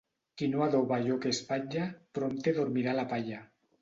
Qui no adoba allò que espatlla, prompte dormirà a la palla.